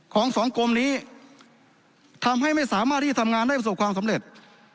ของสองกรมนี้ทำให้ไม่สามารถที่จะทำงานได้ประสบความสำเร็จ